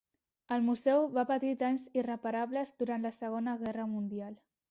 El museu va patir danys irreparables durant la Segona Guerra Mundial.